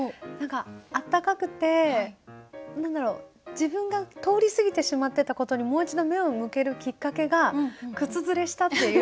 温かくて何だろう自分が通り過ぎてしまってたことにもう一度目を向けるきっかけが「靴ずれした」っていう。